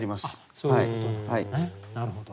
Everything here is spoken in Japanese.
そういうことなんですねなるほど。